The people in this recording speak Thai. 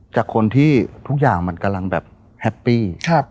จากคนที่ทุกอย่างมันกำลังแบบแฮปปี้